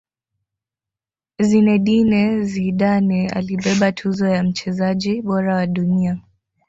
zinedine zidane alibeba tuzo ya mchezaji bora wa dunia